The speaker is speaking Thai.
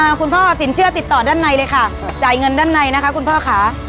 คุณพ่อสินเชื่อติดต่อด้านในเลยค่ะจ่ายเงินด้านในนะคะคุณพ่อค่ะ